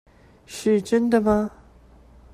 是真的嗎？